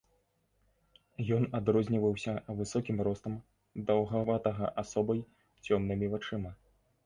Ён адрозніваўся высокім ростам, даўгаватага асобай, цёмнымі вачыма.